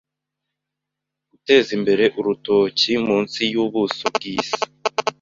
Guteza imbere urutoki munsi yubuso bwisi